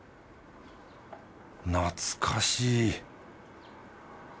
懐かしい